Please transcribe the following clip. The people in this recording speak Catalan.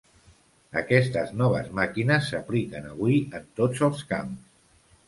Aquestes noves màquines s'apliquen avui en tots els camps.